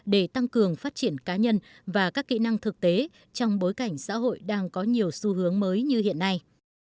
để tăng cường phát triển cá nhân và các kỹ năng thực tế trong bối cảnh xã hội đang có nhiều xu hướng mới như hiện nay